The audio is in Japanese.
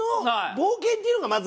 冒険っていうのがまず。